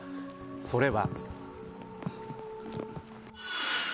それは。